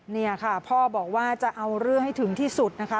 นี่ค่ะพ่อบอกว่าจะเอาเรื่องให้ถึงที่สุดนะคะ